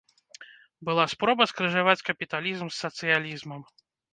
Была спроба скрыжаваць капіталізм з сацыялізмам.